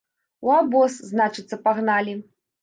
У абоз, значыцца, пагналі.